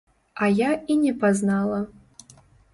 А я і не пазнала.